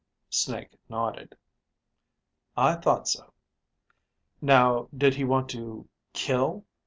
Snake nodded. "I thought so. Now, did he want to kill